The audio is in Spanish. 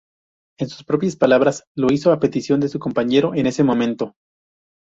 En sus propias palabras, lo hizo a petición de su compañero en ese momento.